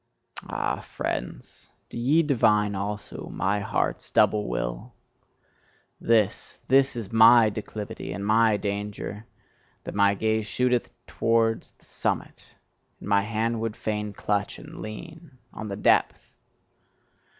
Ah, friends, do ye divine also my heart's double will? This, this is MY declivity and my danger, that my gaze shooteth towards the summit, and my hand would fain clutch and lean on the depth!